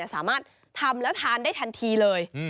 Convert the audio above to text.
สามารถทำแล้วทานได้ทันทีเลย